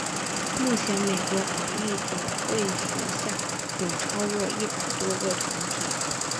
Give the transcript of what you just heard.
目前美国华商总会属下有超过一百多个团体。